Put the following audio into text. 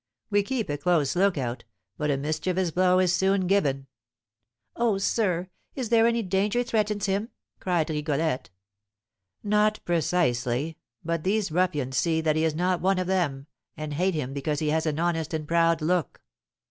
We keep a close look out, but a mischievous blow is soon given." "Oh, sir, is there any danger threatens him?" cried Rigolette. "Not precisely, but these ruffians see that he is not one of them, and hate him because he has an honest and proud look."